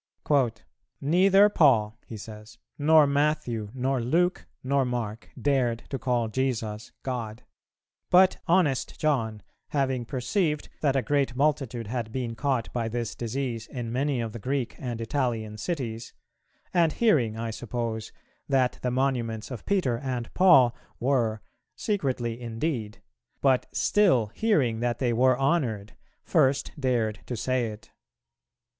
"Neither Paul," he says, "nor Matthew, nor Luke, nor Mark, dared to call Jesus God; but honest John, having perceived that a great multitude had been caught by this disease in many of the Greek and Italian cities, and hearing, I suppose, that the monuments of Peter and Paul were, secretly indeed, but still hearing that they were honoured, first dared to say it."